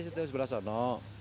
di sebelah sono